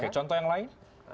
contoh yang lain